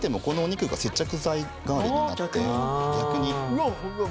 うわっ本当だ。